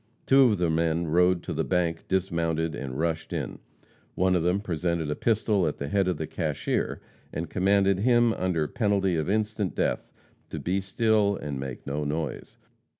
Two of the men rode to the bank, dismounted and rushed in. One of them presented a pistol at the head of the cashier, and commanded him, under penalty of instant death, to be still and make no noise.